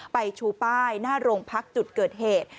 ชูป้ายหน้าโรงพักจุดเกิดเหตุ